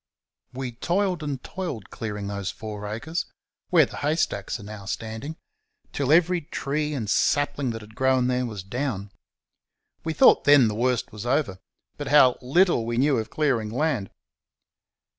We toiled and toiled clearing those four acres, where the haystacks are now standing, till every tree and sapling that had grown there was down. We thought then the worst was over; but how little we knew of clearing land!